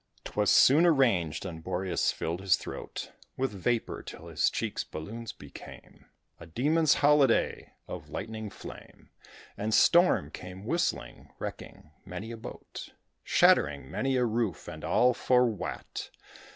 'Twas soon arranged, and Boreas filled his throat With vapour, till his cheeks balloons became. A demon's holiday of lightning flame And storm came whistling, wrecking many a boat, Shattering many a roof and all for what?